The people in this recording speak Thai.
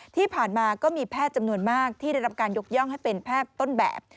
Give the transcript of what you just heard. ที่ผ่านมาก็มีแพทย์จำนวนมากที่ได้รับการยกย่องให้เป็นแพทย์ต้นแบบ